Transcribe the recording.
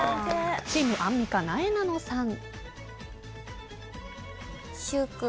チームアンミカなえなのさん。